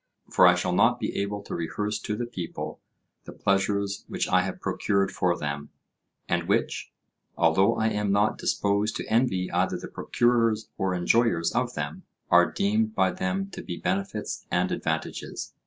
For I shall not be able to rehearse to the people the pleasures which I have procured for them, and which, although I am not disposed to envy either the procurers or enjoyers of them, are deemed by them to be benefits and advantages.